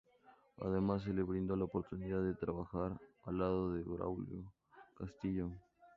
Además se le brindó la oportunidad de trabajar al lado de Braulio Castillo.